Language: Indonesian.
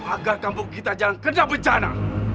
agar kampung kita jangan kena bencana